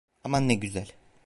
Aman ne güzel.